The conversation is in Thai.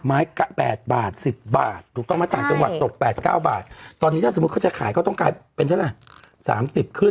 ๘บาท๑๐บาทถูกต้องไหมต่างจังหวัดตก๘๙บาทตอนนี้ถ้าสมมุติเขาจะขายก็ต้องกลายเป็นเท่าไหร่๓๐ขึ้น